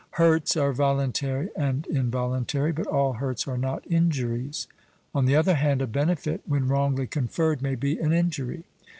Hurts are voluntary and involuntary, but all hurts are not injuries: on the other hand, a benefit when wrongly conferred may be an injury.